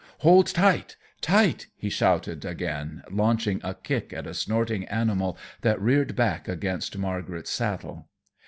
"Hold tight, tight!" he shouted again, launching a kick at a snorting animal that reared back against Margaret's saddle.